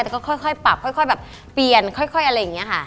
แต่ก็ค่อยปรับค่อยแบบเปลี่ยนค่อยอะไรอย่างนี้ค่ะ